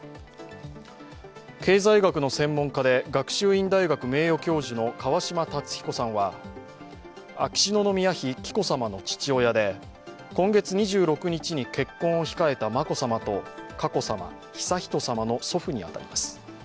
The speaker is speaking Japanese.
経済学の専門家で学習院大学名誉教授の川嶋辰彦さんは秋篠宮妃紀子さまの父親で今月２６日に結婚を控えた眞子さまと佳子さま、悠仁さまの祖父に当たります。